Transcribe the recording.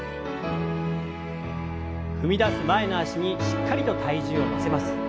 踏み出す前の脚にしっかりと体重を乗せます。